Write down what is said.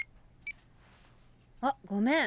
あっごめん。